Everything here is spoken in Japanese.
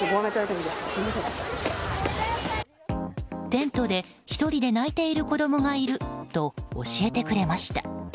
テントで１人で泣いている子供がいると教えてくれました。